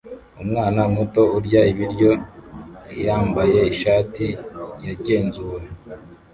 Umwana muto urya ibiryo yambaye ishati yagenzuwe